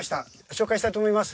紹介したいと思います。